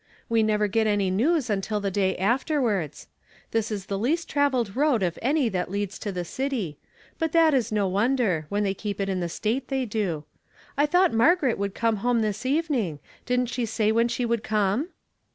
"We never get any news until the day afterwards. This is the least travelled road of any that leads to the city ; but that is no wonder, when they keep it in the state they do. I thought Maigaret 'Aould come home this evening. Didn't she say when she would come